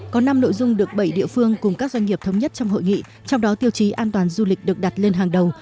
có năm nội dung được bảy địa phương cùng các doanh nghiệp thống nhất trong hội nghị trong đó tiêu chí an toàn du lịch được đặt lên hàng đầu